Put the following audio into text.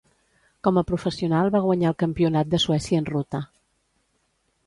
Com a professional va guanyar el Campionat de Suècia en ruta.